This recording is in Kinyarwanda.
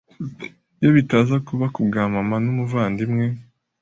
Iyo bitaza kuba ku bwa mama n’umuvandimwe